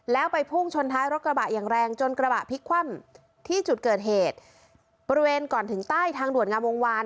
แล้วไปพุ่งชนท้ายรถกระบะอย่างแรงจนกระบะพลิกคว่ำที่จุดเกิดเหตุบริเวณก่อนถึงใต้ทางด่วนงามวงวาน